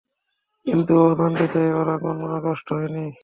কিন্তু ও জানাতে চায়, ওর কোনো কষ্ট হয়নি।